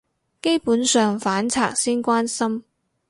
基本上反賊先關心